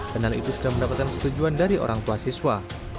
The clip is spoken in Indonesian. dan hal itu sudah mendapatkan kesetujuan dari orang tua siswa